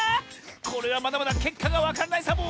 これはまだまだけっかがわからないサボ！